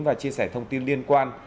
và chia sẻ thông tin liên quan